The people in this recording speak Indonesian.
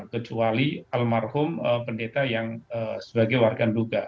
kecuali almarhum pendeta yang sebagai warga nduga